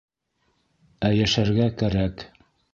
Ә йәшәргә кәрәк.